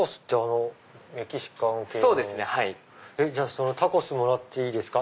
そのタコスもらっていいですか。